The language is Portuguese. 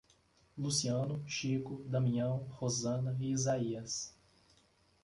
Luciano, Chico, Damião, Rosana e Isaías